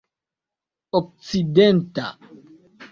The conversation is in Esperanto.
okcidenta